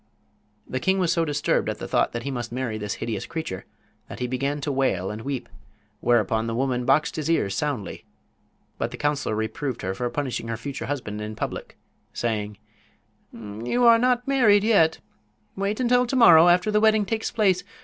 The king was so disturbed at the thought that he must marry this hideous creature that he began to wail and weep; whereupon the woman boxed his ears soundly. But the counselor reproved her for punishing her future husband in public, saying: "You are not married yet. Wait until to morrow, after the wedding takes place.